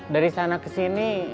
dari sana ke sini